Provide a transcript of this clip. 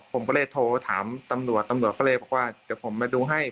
ผมก็เลยโทรถามตำรวจตำรวจก็เลยบอกว่าเดี๋ยวผมมาดูให้